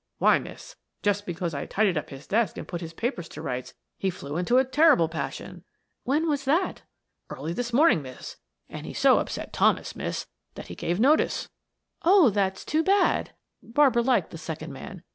Why, miss, just because I tidied up his desk and put his papers to rights he flew into a terrible passion." "When was that?" "Early this morning, miss; and he so upset Thomas, miss, that he gave notice." "Oh, that's too bad." Barbara liked the second man.